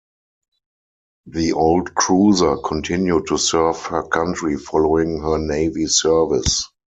The old cruiser continued to serve her country following her Navy service.